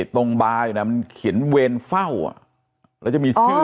ตรงบาร์อยู่นั้นขี่นเวรฟั่วอ่ะแล้วจะมีอ๋อ